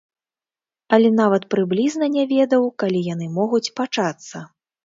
Але нават прыблізна не ведаў, калі яны могуць пачацца.